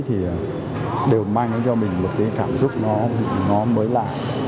thì đều mang cho mình một cảm giác mới lạ